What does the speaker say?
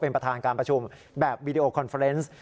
เป็นประธานการประชุมแบบวีดีโอคอนเฟอร์เนส